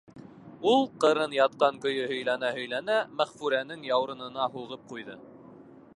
— Ул, ҡырын ятҡан көйө һөйләнә-һөйләнә, Мәғфүрәнең яурынына һуғып ҡуйҙы.